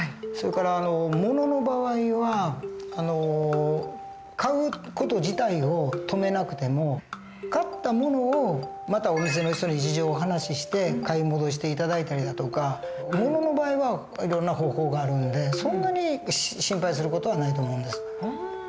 それから物の場合は買う事自体を止めなくても買った物をまたお店の人に事情をお話しして買い戻して頂いたりだとか物の場合はいろんな方法があるんでそんなに心配する事はないと思うんです。